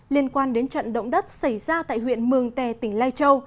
liên quan đến trận động đất xảy ra tại huyện mường tè tỉnh lai châu